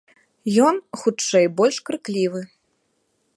Ён, хутчэй, больш крыклівы.